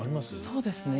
そうですね。